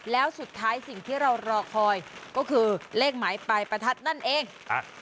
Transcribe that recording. แล้วสุดท้ายสิ่งที่เรารอคอยก็คือเลขหมายปลายประทัดนั่นเอง